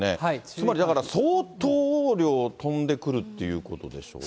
つまりだから相当量飛んでくるということでしょうか。